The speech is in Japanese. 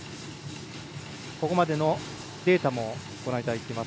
ここまでのデータもご覧いただいています。